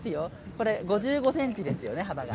５５ｃｍですよね、幅が。